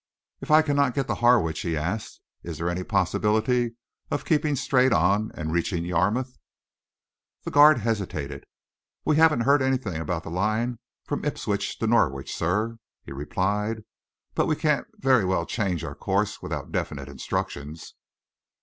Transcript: "If I cannot get to Harwich," he asked, "is there any possibility of keeping straight on and reaching Yarmouth?" The guard hesitated. "We haven't heard anything about the line from Ipswich to Norwich, sir," he replied, "but we can't very well change our course without definite instructions."